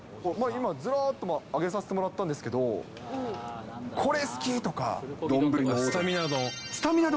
今、ずらっと挙げさせてもらったんですけど、これ、スタミナ丼。